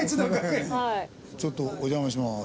ちょっとお邪魔します。